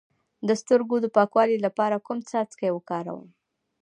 د سترګو د پاکوالي لپاره کوم څاڅکي وکاروم؟